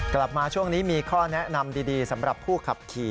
กลับมาช่วงนี้มีข้อแนะนำดีสำหรับผู้ขับขี่